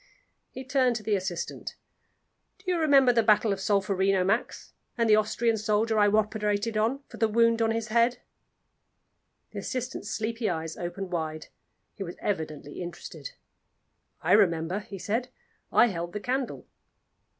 He turned to the assistant. "Do you remember the battle of Solferino, Max and the Austrian soldier I operated on for a wound on the head?" The assistant's sleepy eyes opened wide; he was evidently interested. "I remember," he said. "I held the candle."